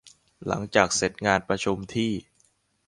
หลังจากเสร็จงานประชุมที่